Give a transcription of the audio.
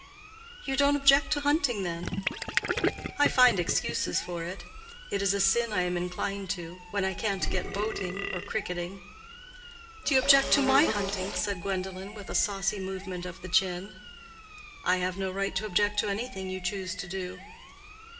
"You don't object to hunting, then?" "I find excuses for it. It is a sin I am inclined to—when I can't get boating or cricketing." "Do you object to my hunting?" said Gwendolen, with a saucy movement of the chin. "I have no right to object to anything you choose to do."